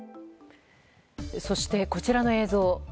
そしてこちらの映像。